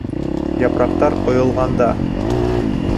Япраҡтар ҡойолғанда